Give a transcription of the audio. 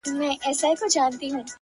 ښكلو ته كاته اكثر!!